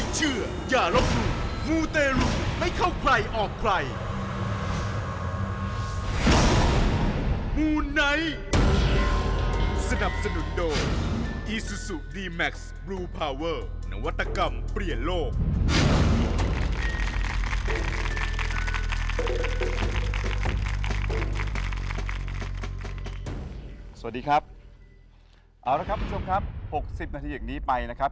สวัสดีครับเอาละครับคุณผู้ชมครับ๖๐นาทีอย่างนี้ไปนะครับ